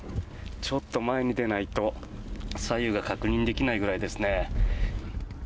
ちょっと前に出ないと左右が確認できないぐらいですね。